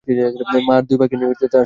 মা আর দুই ভাইকে নিয়েই তার সংসার।